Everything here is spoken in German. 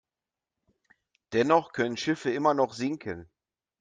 Dennoch können Schiffe immer noch sinken.